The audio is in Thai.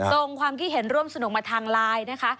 ความคิดเห็นร่วมสนุกมาทางไลน์นะคะ